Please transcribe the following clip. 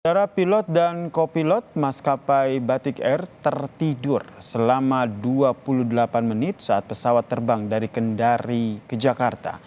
para pilot dan kopilot maskapai batik air tertidur selama dua puluh delapan menit saat pesawat terbang dari kendari ke jakarta